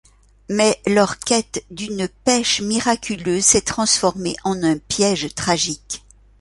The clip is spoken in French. Mais leur quête d’une pêche miraculeuse s’est transformée en un piège tragique.